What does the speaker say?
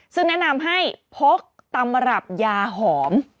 ซึ่งแนะนำให้พกตำรับยาหอม